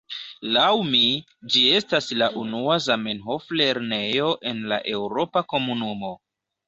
Laŭ mi, ĝi estas la unua Zamenhof-lernejo en la Eŭropa Komunumo.